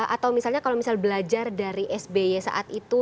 atau misalnya kalau misal belajar dari sby saat itu